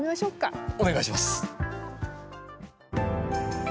お願いします。